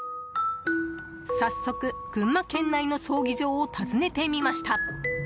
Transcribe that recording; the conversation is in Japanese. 早速、群馬県内の葬儀場を訪ねてみました。